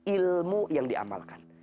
ilmu yang diamalkan